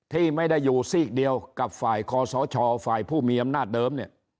ที่ไม่ได้อยู่ซีกเดียวกับฝ่ายคอสชฝ่ายผู้มีอำนาจเดิมเนี่ย